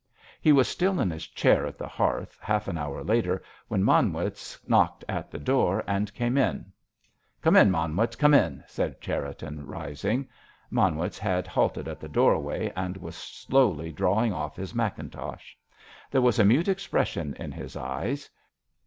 He was still in his chair at the hearth half an hour later when Manwitz knocked at the door, and came in. "Come in, Manwitz, come in!" said Cherriton, rising. Manwitz had halted in the doorway, and was slowly drawing off his mackintosh. There was a mute expression in his eyes.